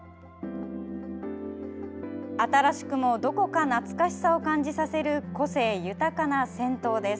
新しくも、どこか懐かしさを感じさせる個性豊かな銭湯です。